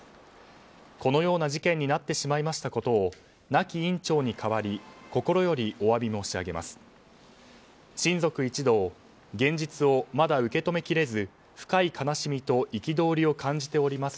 このような事件になってしまいましたことを亡き院長に代わり心よりお詫び申し上げます。